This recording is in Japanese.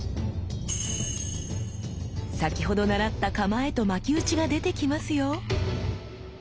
先ほど習った構えと巻き打ちが出てきますよ！